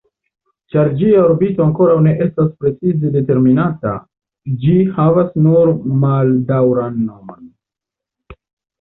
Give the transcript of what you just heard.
Ĉar ĝia orbito ankoraŭ ne estas precize determinata, ĝi havas nur maldaŭran nomon.